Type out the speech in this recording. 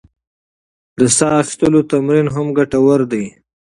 د ساه اخیستلو تمرین هم ګټور دی.